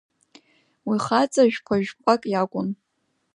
Уи хаҵа шәпа-жәпак иакәын.